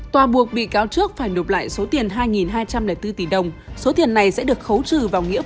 tòa buộc bị cáo trước phải nộp lại số tiền hai hai trăm linh bốn tỷ đồng